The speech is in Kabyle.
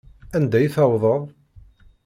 Anda i tewwḍeḍ?